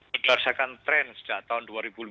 berdasarkan tren sejak tahun dua ribu lima belas